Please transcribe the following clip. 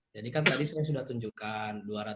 jadi kan tadi saya sudah tunjukkan